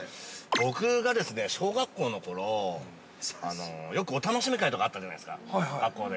◆僕が小学校のころよくお楽しみ会とかあったじゃないですか、学校で。